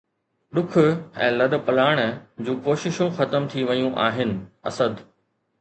ڏک ۽ لڏپلاڻ جون ڪوششون ختم ٿي ويون آهن، اسد